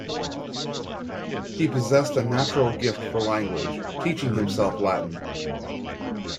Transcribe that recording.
He possessed a natural gift for language, teaching himself Latin.